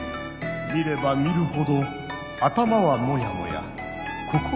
見れば見るほど頭はモヤモヤ心もモヤモヤ。